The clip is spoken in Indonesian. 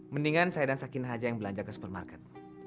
mendingan saya dan sakinah aja yang belanja ke supermarket